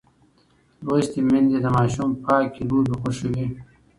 لوستې میندې د ماشوم پاکې لوبې خوښوي.